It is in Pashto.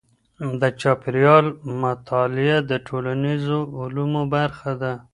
د چاپېریال مطالعه د ټولنیزو علومو برخه ده.